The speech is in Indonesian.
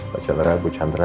pak chandra bu chandra